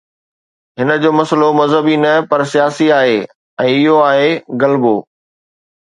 هن جو مسئلو مذهبي نه پر سياسي آهي ۽ اهو آهي غلبو.